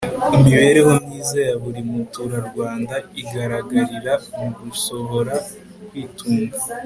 imibereho myiza ya buri muturarwanda igaragarira mu gushobora kwitunga